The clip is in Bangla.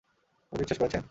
প্রজেক্ট শেষ করেছেন?